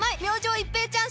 一平ちゃーん！